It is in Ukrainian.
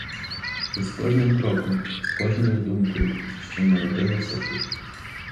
З кожним кроком, з кожною думкою, що народилася тут.